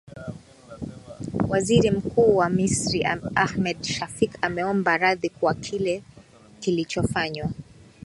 waziri mkuu wa misri ahmed shafik ameomba radhi kwa kile kilichofanywa